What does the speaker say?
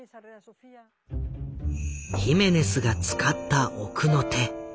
ヒメネスが使った奥の手。